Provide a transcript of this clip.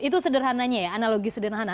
itu sederhananya ya analogi sederhana